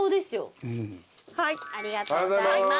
ありがとうございます。